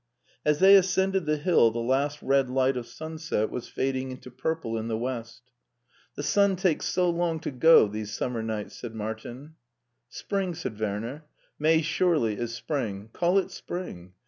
As they ascended the hill the last red light of sunset was fading into purple in the west HEIDELBERG as '* The sun takes so long to go these summer nights/' said Martin. "Spring/' said Werner. "May surely is spring; call it spring.